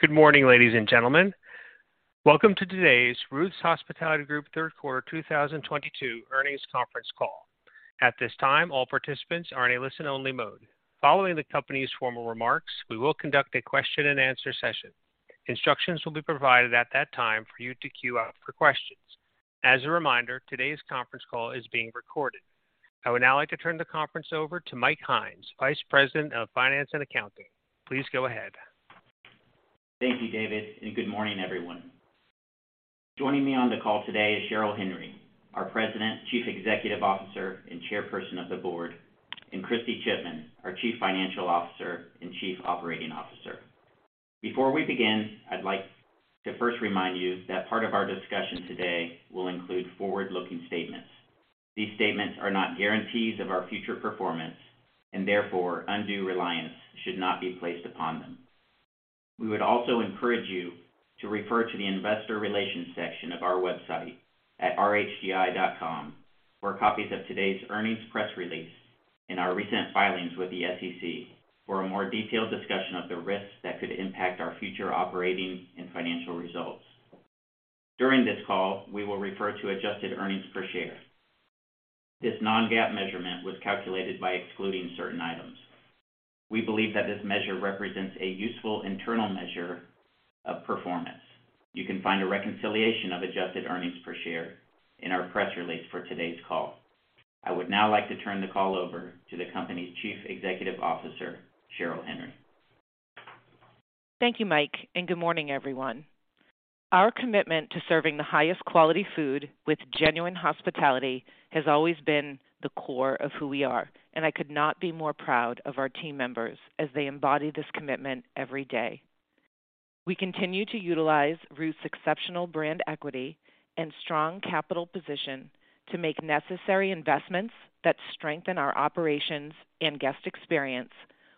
Good morning, ladies and gentlemen. Welcome to today's Ruth's Hospitality Group Third Quarter 2022 Earnings Conference Call. At this time, all participants are in a listen-only mode. Following the company's formal remarks, we will conduct a question-and-answer session. Instructions will be provided at that time for you to queue up for questions. As a reminder, today's conference call is being recorded. I would now like to turn the conference over to Mike Hynes, Vice President of Finance and Accounting. Please go ahead. Thank you, David, and good morning, everyone. Joining me on the call today is Cheryl Henry, our President, Chief Executive Officer, and Chairperson of the Board, and Kristy Chipman, our Chief Financial Officer and Chief Operating Officer. Before we begin, I'd like to first remind you that part of our discussion today will include forward-looking statements. These statements are not guarantees of our future performance, and therefore, undue reliance should not be placed upon them. We would also encourage you to refer to the investor relations section of our website at rhgi.com for copies of today's earnings press release and our recent filings with the SEC for a more detailed discussion of the risks that could impact our future operating and financial results. During this call, we will refer to adjusted earnings per share. This non-GAAP measurement was calculated by excluding certain items. We believe that this measure represents a useful internal measure of performance. You can find a reconciliation of adjusted earnings per share in our press release for today's call. I would now like to turn the call over to the company's Chief Executive Officer, Cheryl Henry. Thank you, Mike, and good morning, everyone. Our commitment to serving the highest quality food with genuine hospitality has always been the core of who we are, and I could not be more proud of our team members as they embody this commitment every day. We continue to utilize Ruth's exceptional brand equity and strong capital position to make necessary investments that strengthen our operations and guest experience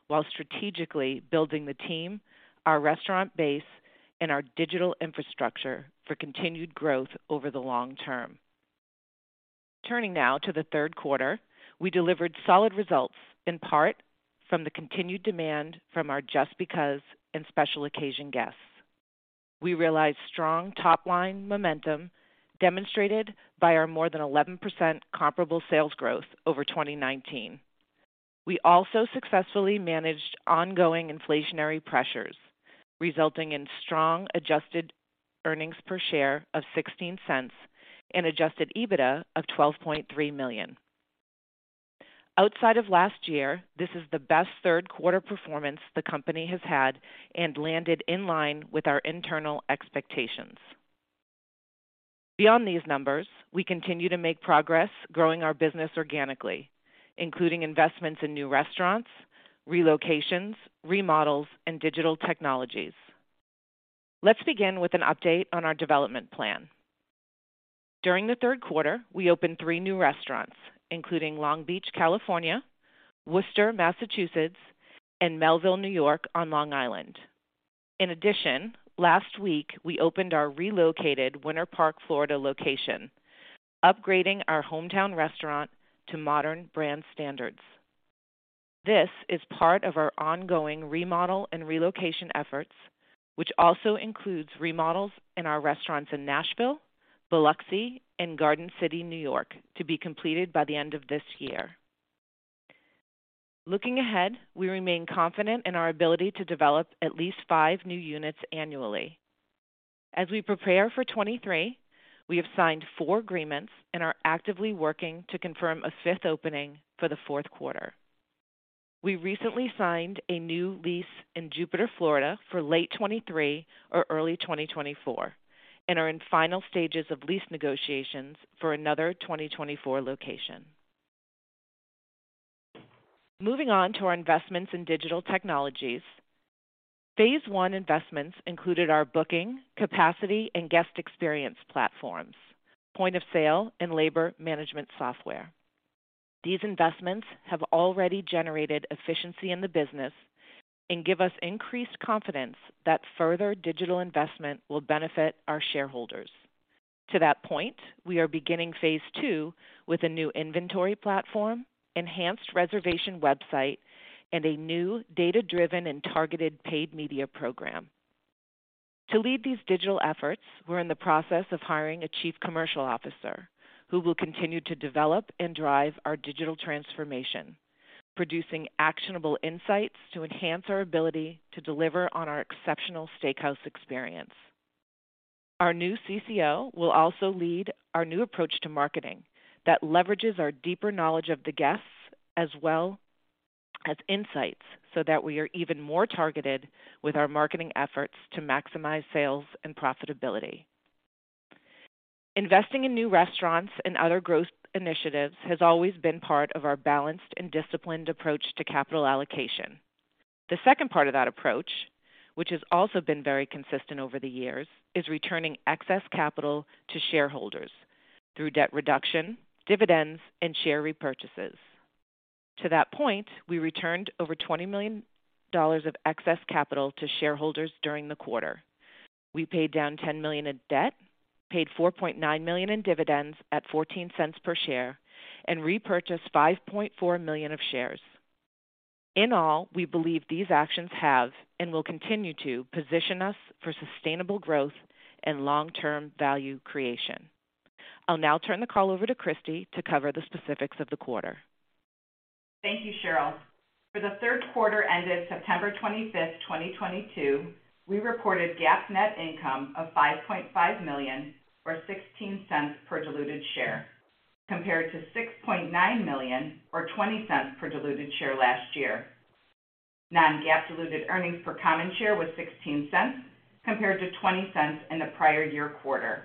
while strategically building the team, our restaurant base, and our digital infrastructure for continued growth over the long term. Turning now to the third quarter, we delivered solid results in part from the continued demand from our Just Because and special occasion guests. We realized strong top-line momentum demonstrated by our more than 11% comparable sales growth over 2019. We also successfully managed ongoing inflationary pressures, resulting in strong adjusted earnings per share of $0.16 and adjusted EBITDA of $12.3 million. Outside of last year, this is the best third quarter performance the company has had and landed in line with our internal expectations. Beyond these numbers, we continue to make progress growing our business organically, including investments in new restaurants, relocations, remodels, and digital technologies. Let's begin with an update on our development plan. During the third quarter, we opened three new restaurants, including Long Beach, California, Worcester, Massachusetts, and Melville, New York on Long Island. In addition, last week we opened our relocated Winter Park, Florida location, upgrading our hometown restaurant to modern brand standards. This is part of our ongoing remodel and relocation efforts, which also includes remodels in our restaurants in Nashville, Biloxi, and Garden City, New York to be completed by the end of this year. Looking ahead, we remain confident in our ability to develop at least 5 new units annually. As we prepare for 2023, we have signed 4 agreements and are actively working to confirm a fifth opening for the fourth quarter. We recently signed a new lease in Jupiter, Florida for late 2023 or early 2024 and are in final stages of lease negotiations for another 2024 location. Moving on to our investments in digital technologies. Phase 1 investments included our booking, capacity, and guest experience platforms, Point of Sale, and Labor Management Software. These investments have already generated efficiency in the business and give us increased confidence that further digital investment will benefit our shareholders. To that point, we are beginning phase two with a new inventory platform, enhanced reservation website, and a new data-driven and targeted paid media program. To lead these digital efforts, we're in the process of hiring a chief commercial officer who will continue to develop and drive our digital transformation, producing actionable insights to enhance our ability to deliver on our exceptional steakhouse experience. Our new CCO will also lead our new approach to marketing that leverages our deeper knowledge of the guests as well as insights so that we are even more targeted with our marketing efforts to maximize sales and profitability. Investing in new restaurants and other growth initiatives has always been part of our balanced and disciplined approach to capital allocation. The second part of that approach, which has also been very consistent over the years, is returning excess capital to shareholders through debt reduction, dividends, and share repurchases. To that point, we returned over $20 million of excess capital to shareholders during the quarter. We paid down $10 million in debt, paid $4.9 million in dividends at $0.14 per share, and repurchased 5.4 million of shares. In all, we believe these actions have, and will continue to position us for sustainable growth and long-term value creation. I'll now turn the call over to Kristy to cover the specifics of the quarter. Thank you, Cheryl. For the third quarter ended September 25th, 2022, we reported GAAP net income of $5.5 million, or $0.16 per diluted share, compared to $6.9 million or $0.20 per diluted share last year. Non-GAAP diluted earnings per common share was $0.16 compared to $0.20 in the prior year quarter.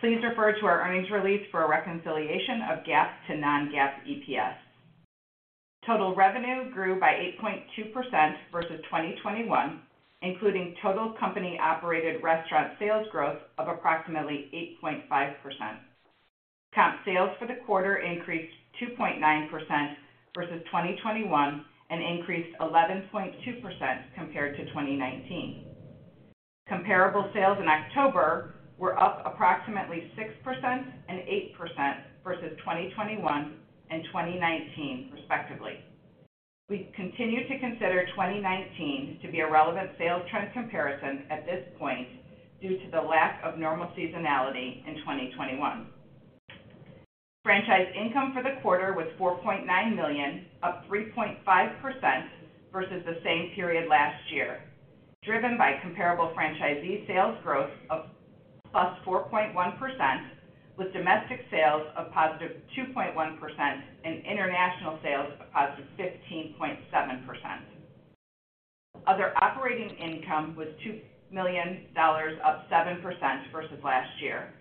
Please refer to our earnings release for a reconciliation of GAAP to non-GAAP EPS. Total revenue grew by 8.2% versus 2021, including total company-operated restaurant sales growth of approximately 8.5%. Comp sales for the quarter increased 2.9% versus 2021, and increased 11.2% compared to 2019. Comparable sales in October were up approximately 6% and 8% versus 2021 and 2019, respectively. We continue to consider 2019 to be a relevant sales trend comparison at this point due to the lack of normal seasonality in 2021. Franchise income for the quarter was $4.9 million, up 3.5% versus the same period last year, driven by comparable franchisee sales growth of +4.1%, with domestic sales of +2.1% and international sales of +15.7%. Other operating income was $2 million, up 7% versus last year.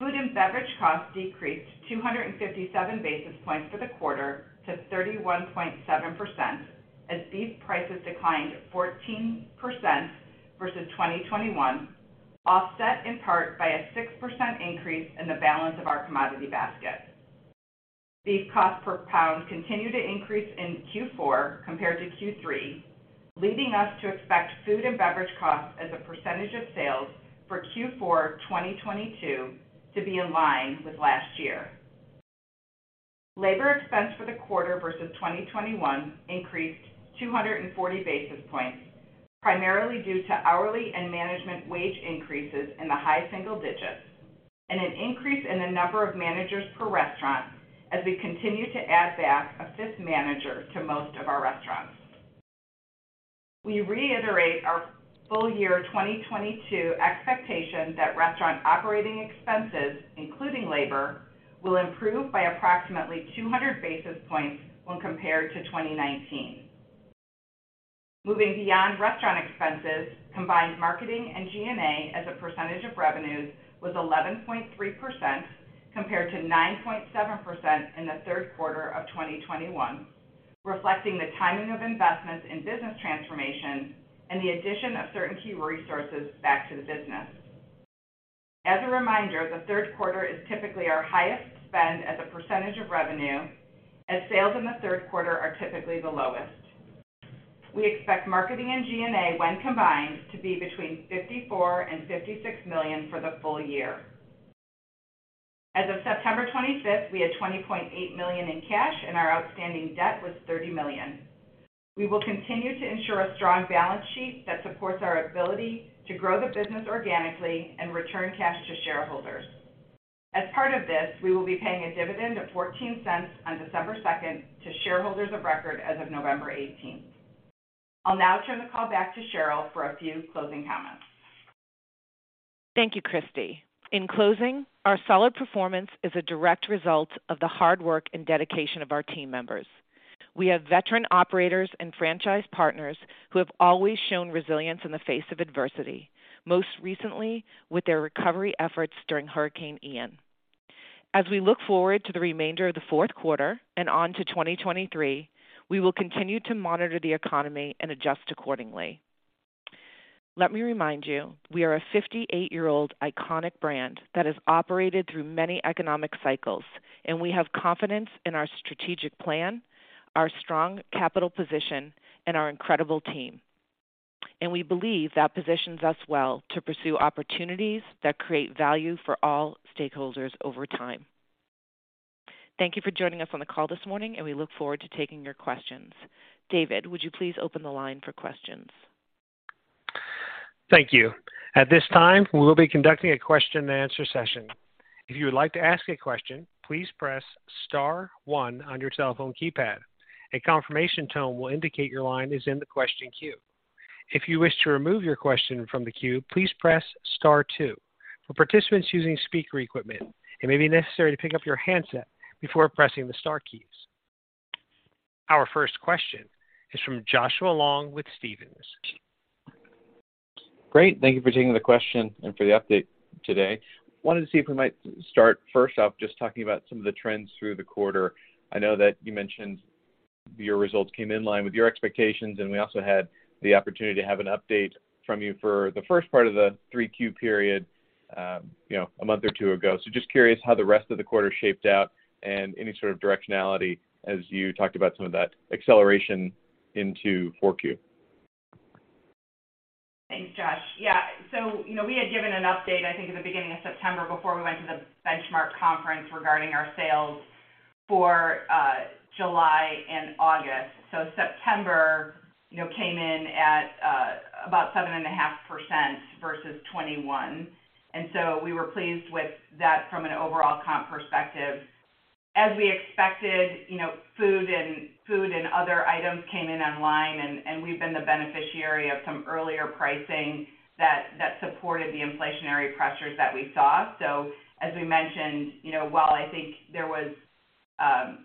Food and beverage costs decreased 257 basis points for the quarter to 31.7% as beef prices declined 14% versus 2021, offset in part by a 6% increase in the balance of our commodity basket. Beef cost per pound continued to increase in Q4 compared to Q3, leading us to expect food and beverage costs as a percentage of sales for Q4 2022 to be in line with last year. Labor expense for the quarter versus 2021 increased 240 basis points, primarily due to hourly and management wage increases in the high single digits and an increase in the number of managers per restaurant as we continue to add back a fifth manager to most of our restaurants. We reiterate our full year 2022 expectation that restaurant operating expenses, including labor, will improve by approximately 200 basis points when compared to 2019. Moving beyond restaurant expenses, combined marketing and G&A as a percentage of revenues was 11.3% compared to 9.7% in the third quarter of 2021, reflecting the timing of investments in business transformation and the addition of certain key resources back to the business. As a reminder, the third quarter is typically our highest spend as a percentage of revenue, as sales in the third quarter are typically the lowest. We expect marketing and G&A, when combined, to be between $54 million and $56 million for the full year. As of September 25th, we had $20.8 million in cash, and our outstanding debt was $30 million. We will continue to ensure a strong balance sheet that supports our ability to grow the business organically and return cash to shareholders. As part of this, we will be paying a dividend of $0.14 on December 2nd to shareholders of record as of November 18th. I'll now turn the call back to Cheryl for a few closing comments. Thank you, Kristy. In closing, our solid performance is a direct result of the hard work and dedication of our team members. We have veteran operators and franchise partners who have always shown resilience in the face of adversity, most recently with their recovery efforts during Hurricane Ian. As we look forward to the remainder of the fourth quarter and on to 2023, we will continue to monitor the economy and adjust accordingly. Let me remind you, we are a 58-year-old iconic brand that has operated through many economic cycles, and we have confidence in our strategic plan, our strong capital position, and our incredible team. We believe that positions us well to pursue opportunities that create value for all stakeholders over time. Thank you for joining us on the call this morning, and we look forward to taking your questions. David, would you please open the line for questions? Thank you. At this time, we will be conducting a question and answer session. If you would like to ask a question, please press star one on your telephone keypad. A confirmation tone will indicate your line is in the question queue. If you wish to remove your question from the queue, please press star two. For participants using speaker equipment, it may be necessary to pick up your handset before pressing the star keys. Our first question is from Joshua Long with Stephens. Great. Thank you for taking the question and for the update today. Wanted to see if we might start first off just talking about some of the trends through the quarter. I know that you mentioned your results came in line with your expectations, and we also had the opportunity to have an update from you for the first part of the 3Q period. You know, a month or two ago. Just curious how the rest of the quarter shaped out and any sort of directionality as you talked about some of that acceleration into 4Q. Thanks, Josh. Yeah, so, you know, we had given an update, I think, at the beginning of September before we went to the Benchmark Conference regarding our sales for July and August. September, you know, came in at about 7.5% versus 21%. We were pleased with that from an overall comp perspective. As we expected, you know, food and other items came in online and we've been the beneficiary of some earlier pricing that supported the inflationary pressures that we saw. As we mentioned, you know, while I think there was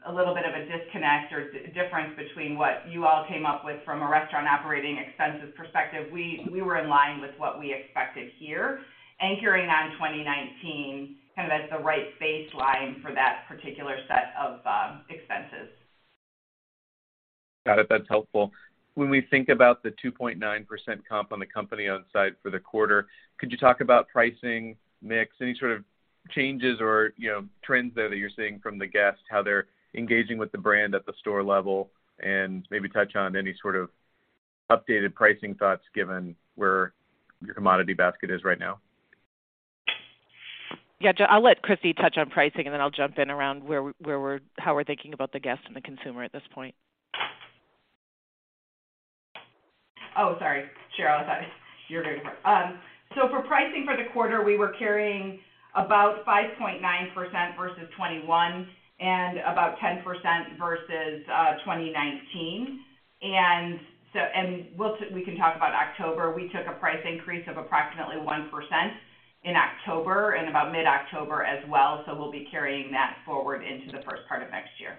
a little bit of a disconnect or difference between what you all came up with from a restaurant operating expenses perspective, we were in line with what we expected here and carrying on 2019 kind of as the right baseline for that particular set of expenses. Got it. That's helpful. When we think about the 2.9% comp on the company onsite for the quarter, could you talk about pricing mix, any sort of changes or, you know, trends that you're seeing from the guests, how they're engaging with the brand at the store level, and maybe touch on any sort of updated pricing thoughts given where your commodity basket is right now? Yeah, Josh, I'll let Kristy touch on pricing, and then I'll jump in around where we're thinking about the guests and the consumer at this point. Oh, sorry, Cheryl. Sorry. You're good. For pricing for the quarter, we were carrying about 5.9% versus 2021 and about 10% versus 2019. We can talk about October. We took a price increase of approximately 1% in October and about mid-October as well, so we'll be carrying that forward into the first part of next year.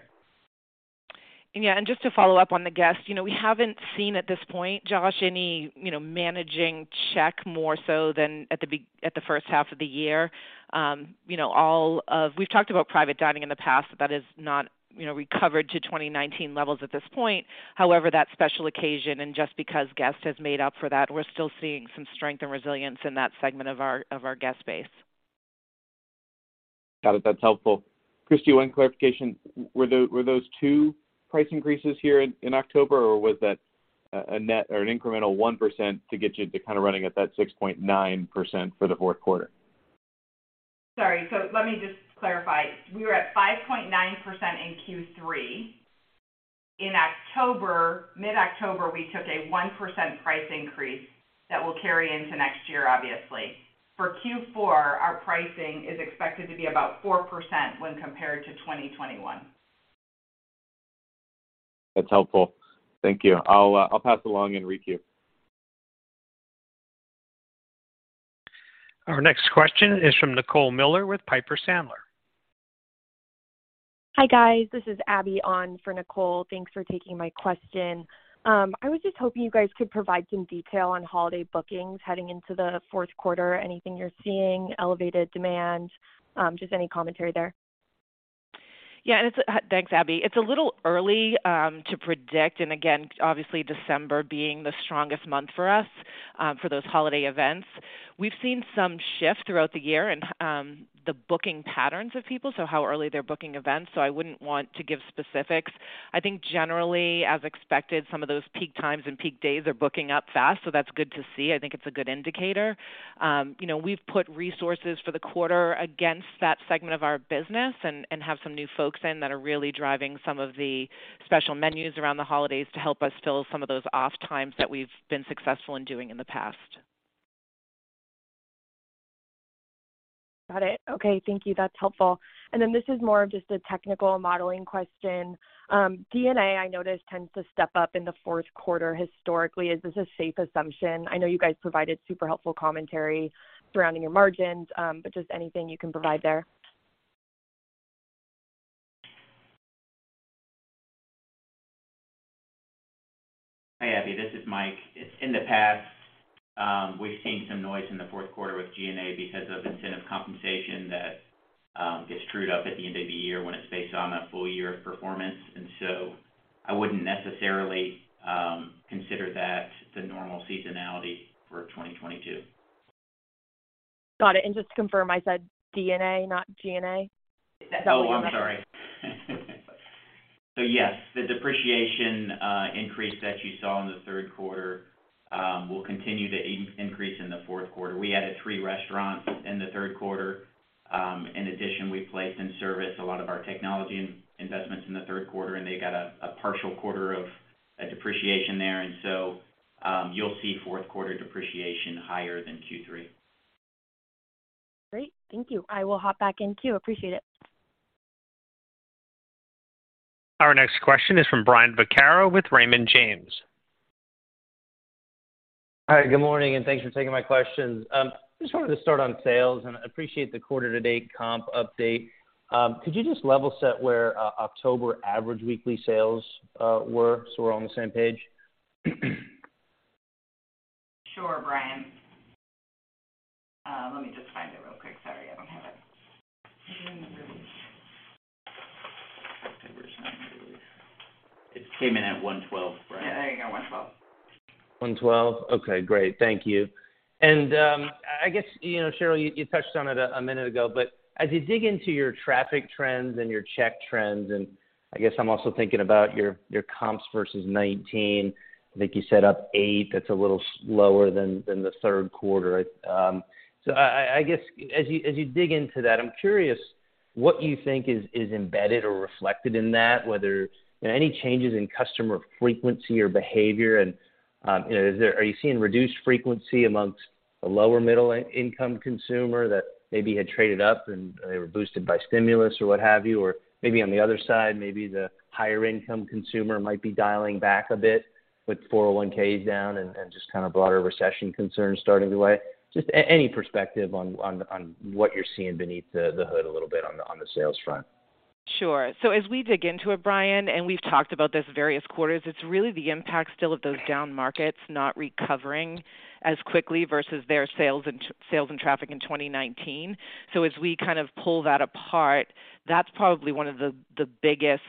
Yeah, just to follow up on the guests, you know, we haven't seen at this point, Josh, any, you know, average check more so than at the first half of the year. You know, we've talked about private dining in the past. That is not, you know, recovered to 2019 levels at this point. However, that special occasion and just because guests has made up for that, we're still seeing some strength and resilience in that segment of our guest base. Got it. That's helpful. Kristy, one clarification. Were those two price increases here in October, or was that a net or an incremental 1% to get you to kind of running at that 6.9% for the fourth quarter? Sorry. Let me just clarify. We were at 5.9% in Q3. In October, mid-October, we took a 1% price increase that will carry into next year, obviously. For Q4, our pricing is expected to be about 4% when compared to 2021. That's helpful. Thank you. I'll pass along in queue. Our next question is from Nicole Miller with Piper Sandler. Hi, guys. This is Abby on for Nicole. Thanks for taking my question. I was just hoping you guys could provide some detail on holiday bookings heading into the fourth quarter. Anything you're seeing, elevated demand, just any commentary there? Yeah. Thanks, Abby. It's a little early to predict and again, obviously, December being the strongest month for us for those holiday events. We've seen some shift throughout the year in the booking patterns of people, so how early they're booking events, so I wouldn't want to give specifics. I think generally, as expected, some of those peak times and peak days are booking up fast, so that's good to see. I think it's a good indicator. You know, we've put resources for the quarter against that segment of our business and have some new folks in that are really driving some of the special menus around the holidays to help us fill some of those off times that we've been successful in doing in the past. Got it. Okay. Thank you. That's helpful. This is more of just a technical modeling question. D&A, I noticed, tends to step up in the fourth quarter historically. Is this a safe assumption? I know you guys provided super helpful commentary surrounding your margins, but just anything you can provide there. Hi, Abby, this is Mike. In the past, we've seen some noise in the fourth quarter with G&A because of incentive compensation that gets trued up at the end of the year when it's based on a full year of performance. I wouldn't necessarily consider that the normal seasonality for 2022. Got it. Just to confirm, I said D&A, not G&A? Yes, the depreciation increase that you saw in the third quarter will continue to increase in the fourth quarter. We added 3 restaurants in the third quarter. In addition, we placed in service a lot of our technology investments in the third quarter, and they got a partial quarter of a depreciation there. You'll see fourth quarter depreciation higher than Q3. Great. Thank you. I will hop back in queue. Appreciate it. Our next question is from Brian Vaccaro with Raymond James. Hi, good morning, and thanks for taking my questions. Just wanted to start on sales, and appreciate the quarter-to-date comp update. Could you just level set where October average weekly sales were so we're on the same page? Sure, Brian. Let me just find it really quick. It came in at $112, right? Yeah, I think at 112. 112? Okay, great. Thank you. I guess, you know, Cheryl, you touched on it a minute ago, but as you dig into your traffic trends and your check trends, and I guess I'm also thinking about your comps versus 2019. I think you said up 8%, that's a little slower than the third quarter. I guess as you dig into that, I'm curious what you think is embedded or reflected in that, whether any changes in customer frequency or behavior. You know, are you seeing reduced frequency among the lower- and middle-income consumer that maybe had traded up and they were boosted by stimulus or what have you? Maybe on the other side, maybe the higher income consumer might be dialing back a bit with 401(k)s down and just kind of broader recession concerns starting to weigh. Just any perspective on what you're seeing beneath the hood a little bit on the sales front. Sure. As we dig into it, Brian, and we've talked about this various quarters, it's really the impact still of those down markets not recovering as quickly versus their sales and traffic in 2019. As we kind of pull that apart, that's probably one of the biggest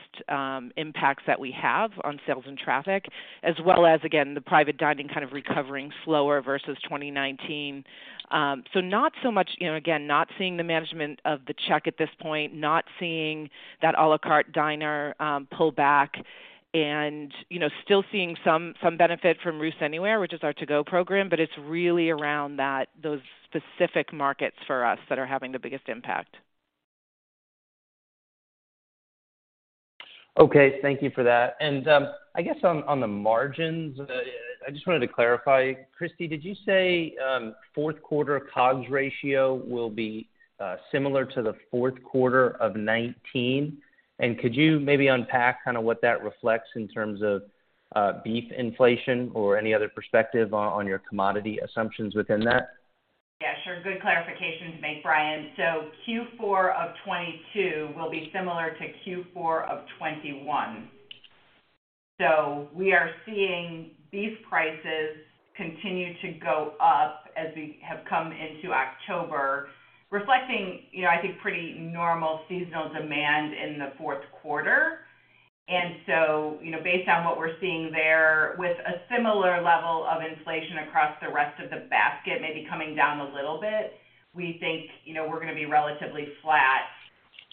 impacts that we have on sales and traffic, as well as, again, the private dining kind of recovering slower versus 2019. Not so much, you know, again, not seeing the management of the check at this point, not seeing that à la carte diner pull back and, you know, still seeing some benefit from Ruth's Anywhere, which is our to-go program, but it's really around those specific markets for us that are having the biggest impact. Okay. Thank you for that. I guess on the margins, I just wanted to clarify. Kristy, did you say fourth quarter COGS ratio will be similar to the fourth quarter of 2019? Could you maybe unpack kind of what that reflects in terms of beef inflation or any other perspective on your commodity assumptions within that? Yeah, sure. Good clarification to make, Brian. Q4 of 2022 will be similar to Q4 of 2021. We are seeing beef prices continue to go up as we have come into October, reflecting, you know, I think pretty normal seasonal demand in the fourth quarter. You know, based on what we're seeing there with a similar level of inflation across the rest of the basket, maybe coming down a little bit, we think, you know, we're gonna be relatively flat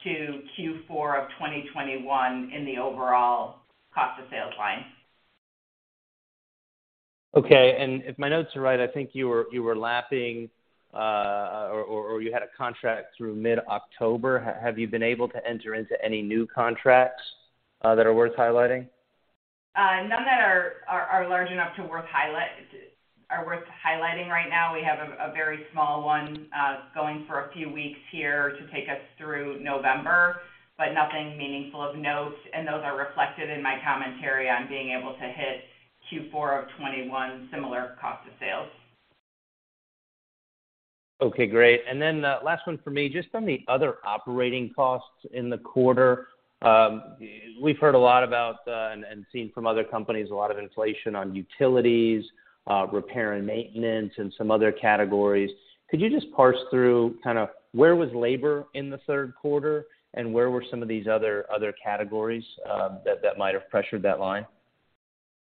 to Q4 of 2021 in the overall cost of sales line. Okay. If my notes are right, I think you were lapping, or you had a contract through mid-October. Have you been able to enter into any new contracts that are worth highlighting? None that are large enough are worth highlighting right now. We have a very small one going for a few weeks here to take us through November, but nothing meaningful of note, and those are reflected in my commentary on being able to hit Q4 of 2021 similar cost of sales. Okay, great. Then last one for me, just on the other operating costs in the quarter. We've heard a lot about and seen from other companies, a lot of inflation on utilities, repair and maintenance and some other categories. Could you just parse through kind of where was labor in the third quarter, and where were some of these other categories that might have pressured that line?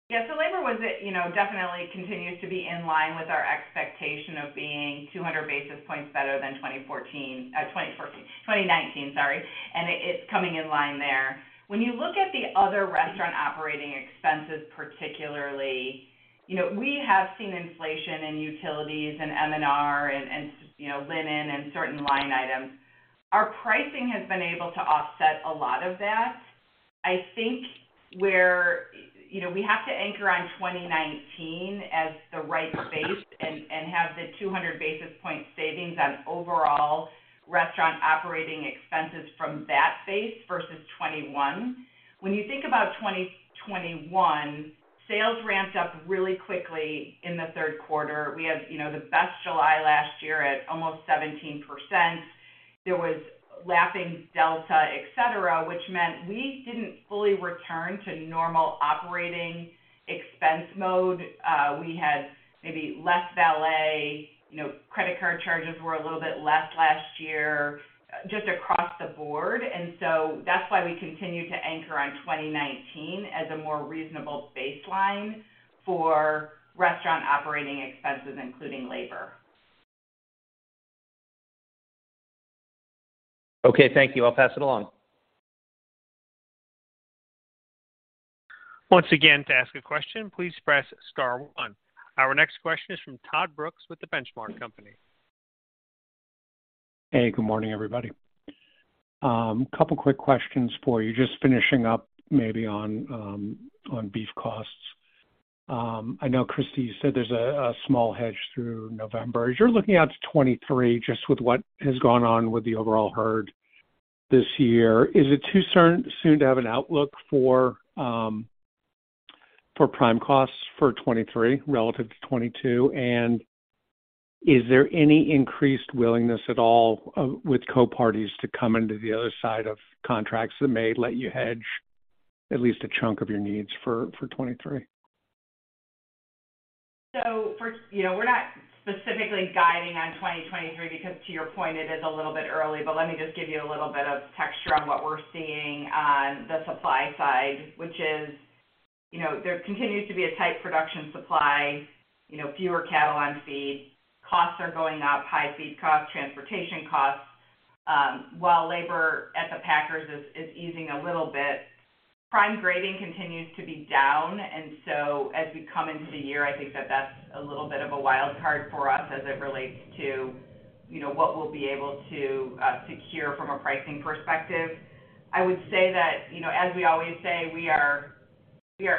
Yeah. Labor was, you know, definitely continues to be in line with our expectation of being 200 basis points better than 2019, sorry. It's coming in line there. When you look at the other restaurant operating expenses, particularly, you know, we have seen inflation in utilities and M&R and, you know, linen and certain line items. Our pricing has been able to offset a lot of that. I think. You know, we have to anchor on 2019 as the right base and have the 200 basis point savings on overall restaurant operating expenses from that base versus 2021. When you think about 2021, sales ramped up really quickly in the third quarter. We had, you know, the best July last year at almost 17%. There was lapping Delta, et cetera, which meant we didn't fully return to normal operating expense mode. We had maybe less valet, you know, credit card charges were a little bit less last year just across the board. That's why we continue to anchor on 2019 as a more reasonable baseline for restaurant operating expenses, including labor. Okay, thank you. I'll pass it along. Once again, to ask a question, please press star one. Our next question is from Todd Brooks with The Benchmark Company. Hey, good morning, everybody. Couple quick questions for you. Just finishing up maybe on beef costs. I know, Kristy, you said there's a small hedge through November. As you're looking out to 2023, just with what has gone on with the overall herd this year, is it too soon to have an outlook for prime costs for 2023 relative to 2022? Is there any increased willingness at all with counterparties to come into the other side of contracts that may let you hedge at least a chunk of your needs for 2023? We're not specifically guiding on 2023 because, to your point, it is a little bit early, but let me just give you a little bit of texture on what we're seeing on the supply side, which is, you know, there continues to be a tight production supply. You know, fewer cattle on feed. Costs are going up, high feed costs, transportation costs. While labor at the Packers is easing a little bit, prime grading continues to be down. As we come into the year, I think that's a little bit of a wild card for us as it relates to, you know, what we'll be able to secure from a pricing perspective. I would say that, you know, as we always say, we are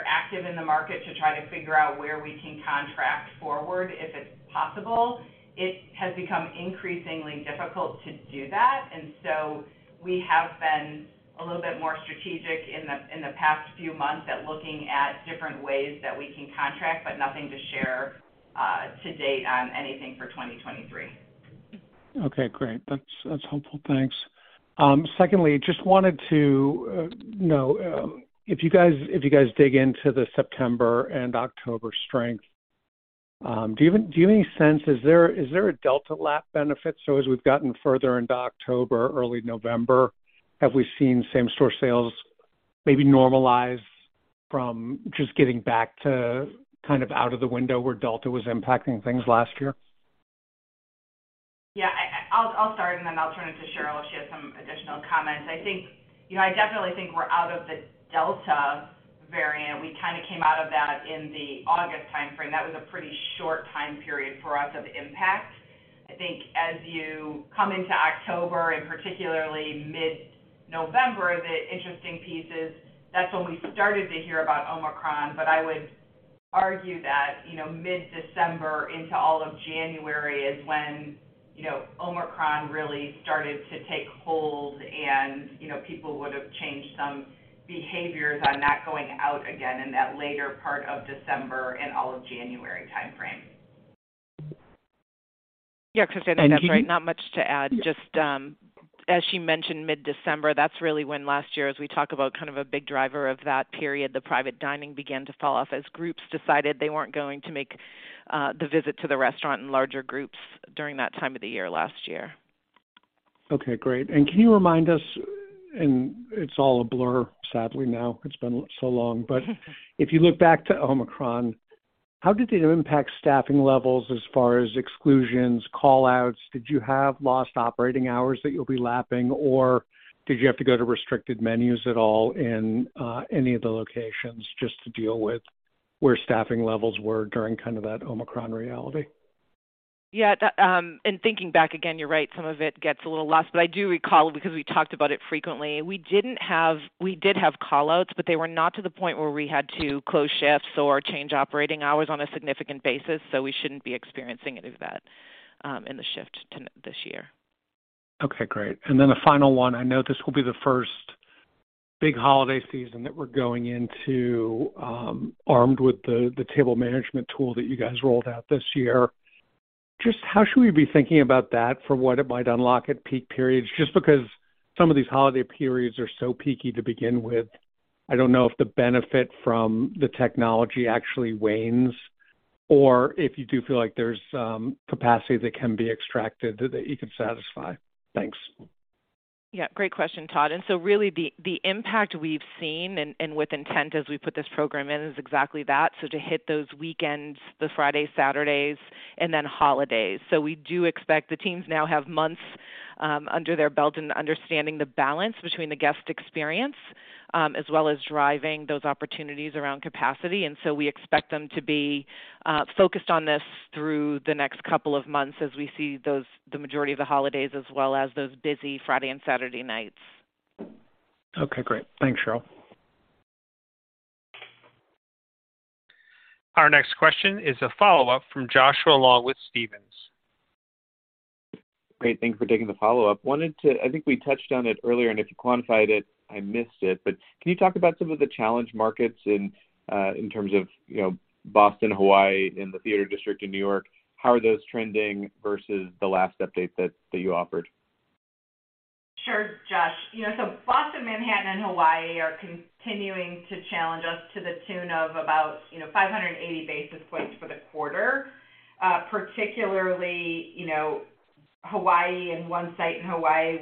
active in the market to try to figure out where we can contract forward if it's possible. It has become increasingly difficult to do that. We have been a little bit more strategic in the past few months at looking at different ways that we can contract, but nothing to share to date on anything for 2023. Okay, great. That's helpful. Thanks. Secondly, just wanted to know if you guys dig into the September and October strength, do you have any sense is there a Delta lap benefit? As we've gotten further into October, early November, have we seen same-store sales maybe normalize from just getting back to kind of out of the window where Delta was impacting things last year? Yeah. I'll start, and then I'll turn it to Cheryl if she has some additional comments. I think. You know, I definitely think we're out of the Delta variant. We kinda came out of that in the August timeframe. That was a pretty short time period for us of impact. I think as you come into October and particularly mid-November, the interesting piece is that's when we started to hear about Omicron. I would argue that, you know, mid-December into all of January is when, you know, Omicron really started to take hold and, you know, people would have changed some behaviors on not going out again in that later part of December and all of January timeframe. Yeah. Because I think that's right. Not much to add. Just, as she mentioned, mid-December, that's really when last year, as we talk about kind of a big driver of that period, the private dining began to fall off as groups decided they weren't going to make, the visit to the restaurant in larger groups during that time of the year last year. Okay, great. Can you remind us, and it's all a blur, sadly, now, it's been so long. If you look back to Omicron, how did it impact staffing levels as far as exclusions, call-outs? Did you have lost operating hours that you'll be lapping, or did you have to go to restricted menus at all in any of the locations just to deal with where staffing levels were during kind of that Omicron reality? Yeah. That in thinking back again, you're right. Some of it gets a little lost. I do recall because we talked about it frequently. We did have call-outs, but they were not to the point where we had to close shifts or change operating hours on a significant basis. We shouldn't be experiencing any of that in the shift to this year. Okay, great. The final one, I know this will be the first big holiday season that we're going into, armed with the table management tool that you guys rolled out this year. Just how should we be thinking about that for what it might unlock at peak periods? Just because some of these holiday periods are so peaky to begin with. I don't know if the benefit from the technology actually wanes or if you do feel like there's some capacity that can be extracted that you can satisfy. Thanks. Yeah, great question, Todd. Really the impact we've seen and with intent as we put this program in is exactly that. To hit those weekends, the Fridays, Saturdays, and then holidays. We do expect the teams now have months under their belt in understanding the balance between the guest experience as well as driving those opportunities around capacity. We expect them to be focused on this through the next couple of months as we see those the majority of the holidays as well as those busy Friday and Saturday nights. Okay, great. Thanks, Cheryl. Our next question is a follow-up from Joshua Long with Stephens. Great. Thank you for taking the follow-up. Wanted to, I think we touched on it earlier, and if you quantified it, I missed it. Can you talk about some of the challenge markets in terms of, you know, Boston, Hawaii, and the Theater District in New York? How are those trending versus the last update that you offered? Sure, Josh. You know, so Boston, Manhattan, and Hawaii are continuing to challenge us to the tune of about, you know, 580 basis points for the quarter. Particularly, you know, Hawaii and one site in Hawaii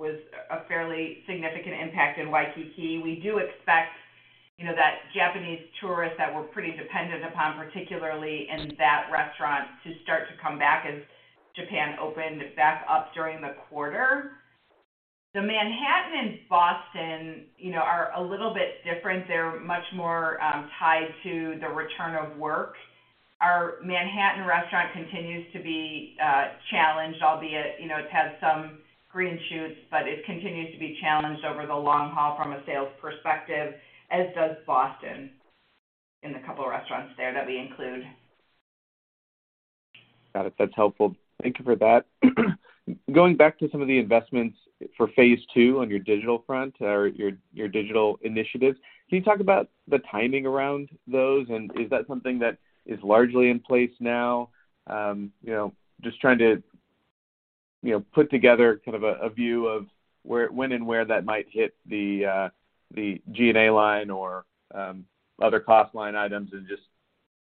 was a fairly significant impact in Waikiki. We do expect, you know, that Japanese tourists that we're pretty dependent upon, particularly in that restaurant, to start to come back as Japan opened back up during the quarter. Manhattan and Boston, you know, are a little bit different. They're much more tied to the return of work. Our Manhattan restaurant continues to be challenged, albeit, you know, it's had some green shoots, but it continues to be challenged over the long haul from a sales perspective, as does Boston in the couple of restaurants there that we include. Got it. That's helpful. Thank you for that. Going back to some of the investments for phase two on your digital front or your digital initiatives, can you talk about the timing around those? And is that something that is largely in place now? You know, just trying to, you know, put together kind of a view of where, when and where that might hit the G&A line or, other cost line items and just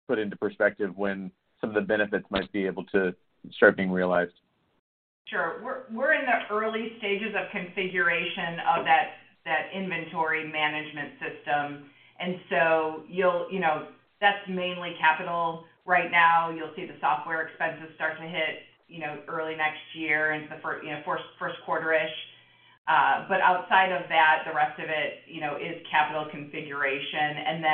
put into perspective when some of the benefits might be able to start being realized. Sure. We're in the early stages of configuration of that inventory management system. You'll, you know, that's mainly capital right now. You'll see the software expenses start to hit, you know, early next year into, you know, first quarter-ish. Outside of that, the rest of it, you know, is capital configuration.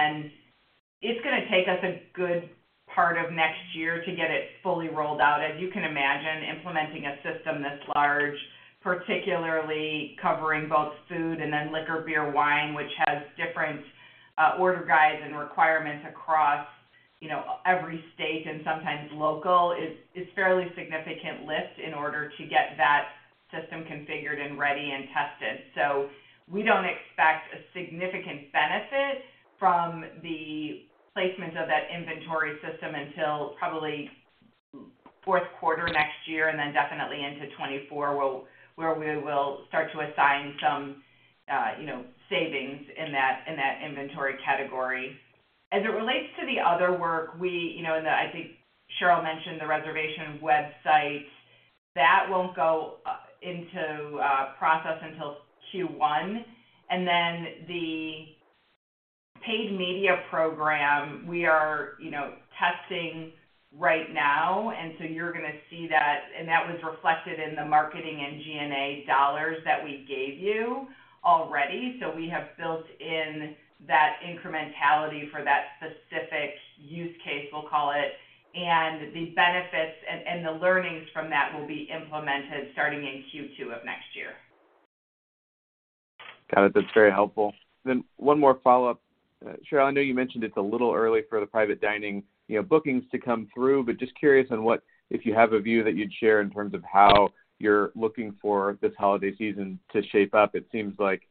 It's gonna take us a good part of next year to get it fully rolled out. As you can imagine, implementing a system this large, particularly covering both food and then liquor, beer, wine, which has different order guides and requirements across, you know, every state and sometimes local, is a fairly significant list in order to get that system configured and ready and tested. We don't expect a significant benefit from the placement of that inventory system until probably Q4 next year, and then definitely into 2024, where we will start to assign some, you know, savings in that inventory category. As it relates to the other work, we, you know, and I think Cheryl mentioned the reservation website. That won't go into process until Q1. Then the paid media program we are, you know, testing right now, and so you're gonna see that. That was reflected in the marketing and G&A dollars that we gave you already. We have built in that incrementality for that specific use case, we'll call it, and the benefits and the learnings from that will be implemented starting in Q2 of next year. Got it. That's very helpful. One more follow-up. Cheryl, I know you mentioned it's a little early for the private dining, you know, bookings to come through, but just curious on what if you have a view that you'd share in terms of how you're looking for this holiday season to shape up. It seems like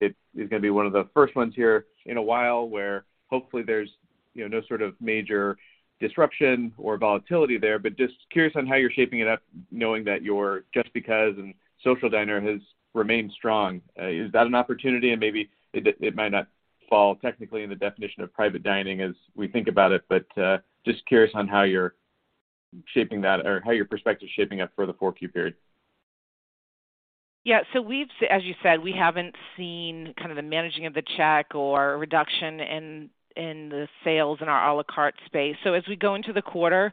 it is gonna be one of the first ones here in a while where hopefully there's, you know, no sort of major disruption or volatility there. Just curious on how you're shaping it up, knowing that your Just Because and Social Diner has remained strong. Is that an opportunity? Maybe it might not fall technically in the definition of private dining as we think about it, but just curious on how you're shaping that or how your perspective's shaping up for the 4Q period. Yeah. As you said, we haven't seen kind of the managing of the check or reduction in the sales in our à la carte space. As we go into the quarter,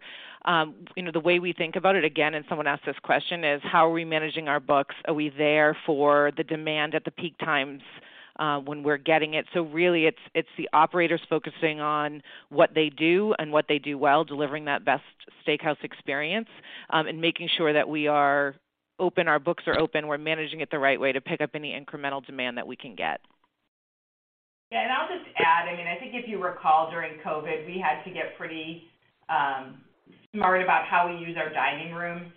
you know, the way we think about it, again, and someone asked this question, is how are we managing our books? Are we there for the demand at the peak times, when we're getting it? Really it's the operators focusing on what they do and what they do well, delivering that best steakhouse experience, and making sure that we are open, our books are open, we're managing it the right way to pick up any incremental demand that we can get. Yeah. I'll just add, I mean, I think if you recall during COVID, we had to get pretty smart about how we use our dining room.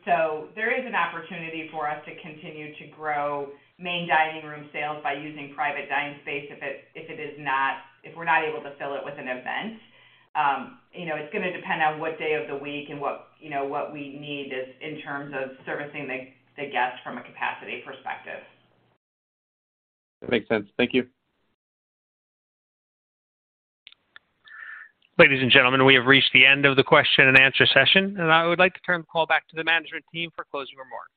There is an opportunity for us to continue to grow main dining room sales by using private dining space if we're not able to fill it with an event. You know, it's gonna depend on what day of the week and what you know we need is in terms of servicing the guest from a capacity perspective. That makes sense. Thank you. Ladies and gentlemen, we have reached the end of the question and answer session, and I would like to turn the call back to the management team for closing remarks.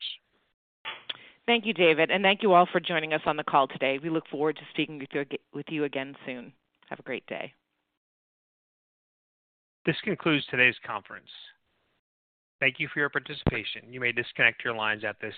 Thank you, David, and thank you all for joining us on the call today. We look forward to speaking with you again soon. Have a great day. This concludes today's conference. Thank you for your participation. You may disconnect your lines at this time.